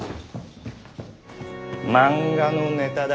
漫画のネタだ。